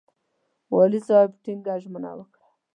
والي صاحب ټینګه ژمنه وکړه.